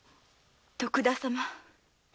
徳田様。